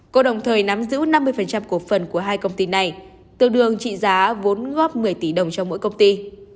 cô đồng thời nắm giữ năm mươi cổ phần của hai công ty này tương đương trị giá vốn góp một mươi tỷ đồng cho mỗi công ty